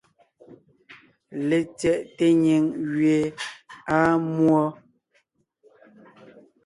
LetsyɛꞋte nyìŋ gẅie àa múɔ.